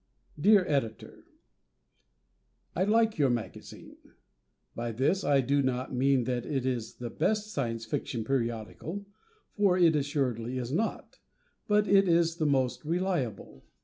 _ Dear Editor: I like your magazine. By this, I do not mean that it is the best Science Fiction periodical, for it assuredly is not; but it is the most reliable.